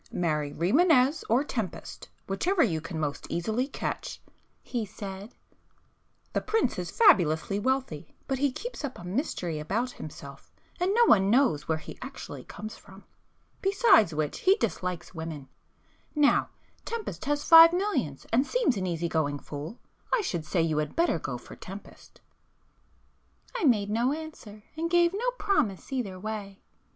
'Marry Rimânez or Tempest, whichever you can most easily catch,' he said—'The prince is fabulously wealthy—but he keeps up a mystery about himself and no one knows where he actually comes from,—besides which he dislikes women;—now Tempest has five millions and seems an easy going fool,—I should say you had better go for Tempest.' I made no answer and gave no promise either way.